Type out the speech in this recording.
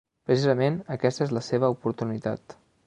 Precisament aquesta és la seva oportunitat.